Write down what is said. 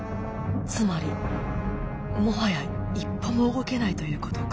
つまりもはや一歩も動けないということか。